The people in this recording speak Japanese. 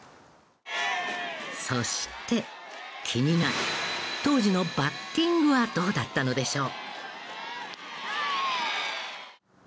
そして気になる当時のバッティングはどうだったのでしょう？